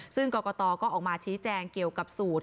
ซึ่งกรกตก็ออกมาชี้แจงเกี่ยวกับสูตร